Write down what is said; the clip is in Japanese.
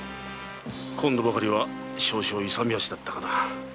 今度ばかりは少々勇み足だったかな